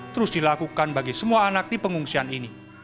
terus dilakukan bagi semua anak di pengungsian ini